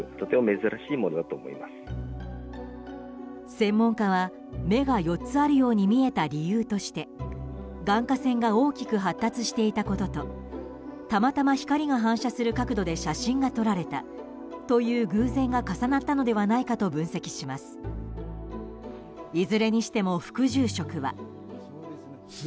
専門家は、目が４つあるように見えた理由として眼下腺が大きく発達していたこととたまたま光が反射する角度で写真が撮られたという偶然が重なったのではないかと分析します。